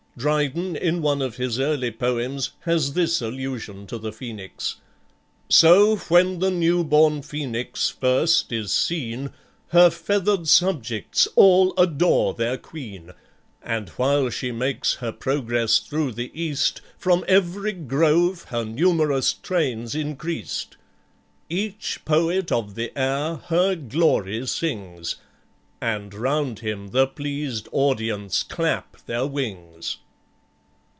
Dryden in one of his early poems has this allusion to the Phoenix: "So when the new born Phoenix first is seen, Her feathered subjects all adore their queen, And while she makes her progress through the East, From every grove her numerous train's increased; Each poet of the air her glory sings, And round him the pleased audience clap their wings."